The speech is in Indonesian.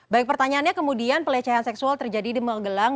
baik pertanyaannya kemudian pelecehan seksual terjadi di magelang